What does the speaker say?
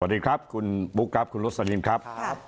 สวัสดีครับคุณบุ๊คครับคุณโรสลินครับ